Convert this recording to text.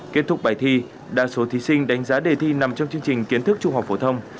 kết thúc bài thi đa số thí sinh đánh giá đề thi nằm trong chương trình kiến thức trung học phổ thông